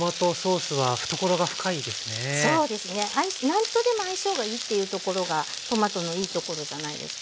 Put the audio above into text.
何とでも相性がいいっていうところがトマトのいいところじゃないですかね。